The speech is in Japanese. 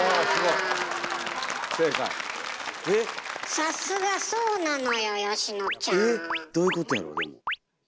さすがそうなのよ佳乃ちゃん。ええ？どういうことやろでも。